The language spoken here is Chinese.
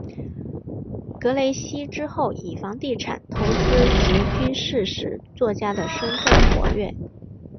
格雷西之后以房地产投资及军事史作家的身分活跃。